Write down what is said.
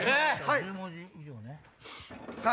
１０文字以上をね。